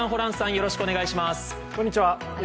よろしくお願いします。